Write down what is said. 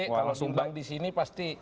kalau sumbang di sini pasti